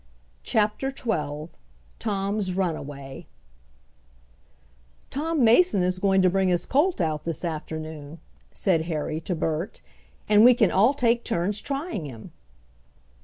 CHAPTER XII TOM'S RUNAWAY "Tom Mason is going to bring his colt out this afternoon," said Harry to Bert, "and we can all take turns trying him."